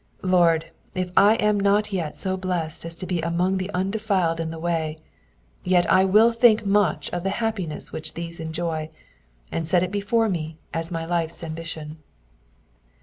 Lord, if I am not yet so blessed as to be among the undefiled in thy way, yet I will think much of the happiness which these enjoy, and sot it before me as my lifers ambition.